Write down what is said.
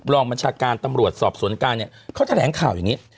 บัญชาการตำรวจสอบสวนกลางเนี่ยเขาแถลงข่าวอย่างนี้